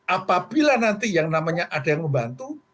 apabila nanti yang namanya ada yang membantu